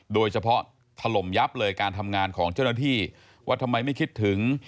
ถล่มยับเลยการทำงานของเจ้าหน้าที่ว่าทำไมไม่คิดถึง